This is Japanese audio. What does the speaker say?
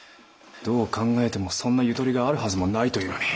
どう考えてもそんなゆとりがあるはずもないというのに。